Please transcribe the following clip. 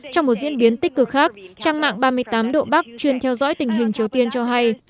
trong một diễn biến tích cực khác trang mạng ba mươi tám độ bắc chuyên theo dõi tình hình triều tiên cho hay